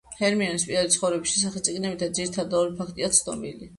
ჰერმიონის პირადი ცხოვრების შესახებ წიგნებიდან ძირითადად, ორი ფაქტია ცნობილი.